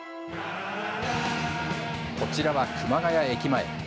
こちらは熊谷駅前。